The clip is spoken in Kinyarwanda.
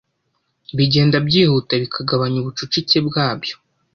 bigenda byihuta bikagabanya ubucucike bwabyo